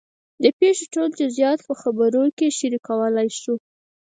د پېښې ټول جزیات په خبرو کې شریکولی شو.